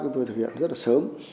chúng tôi thực hiện rất là sớm